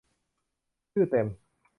ชื่อเต็ม